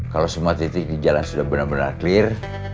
kalau semua titik di jalan sudah benar benar clear